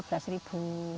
berapa mbak nyewah itu